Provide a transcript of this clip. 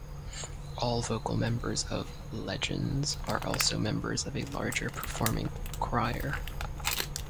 All vocal members of Legends are also members of a larger performing choir.